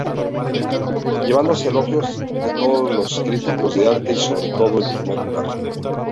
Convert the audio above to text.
Llevándose elogios de todos los críticos de arte y sobre todo el primer lugar.